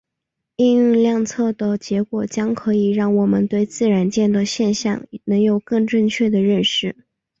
应用量测的结果将可以让我们对自然界的现象能有更正确的认知。